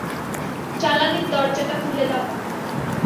জ্বালানির দরজাটা খুলে দাও।